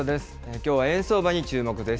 きょうは円相場に注目です。